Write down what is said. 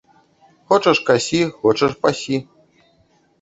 Хочаш касі, хочаш пасі.